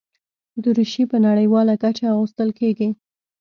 دریشي په نړیواله کچه اغوستل کېږي.